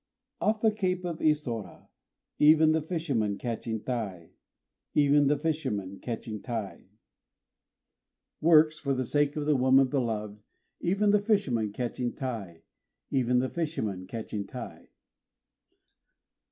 Off the Cape of Isora, Even the fisherman catching tai, Even the fisherman catching tai, [Works] for the sake of the woman beloved, Even the fisherman catching tai, Even the fisherman catching tai!